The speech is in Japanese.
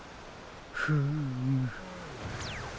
フーム。